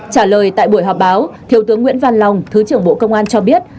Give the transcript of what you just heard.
trả lời tại buổi họp báo thiếu tướng nguyễn văn long thứ trưởng bộ công an cho biết